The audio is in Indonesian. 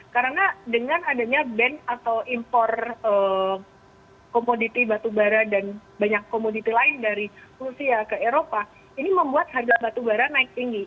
karena dengan adanya band atau impor komoditi batubara dan banyak komoditi lain dari rusia ke eropa ini membuat harga batubara naik tinggi